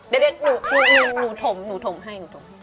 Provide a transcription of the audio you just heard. เด็ดหนูถมให้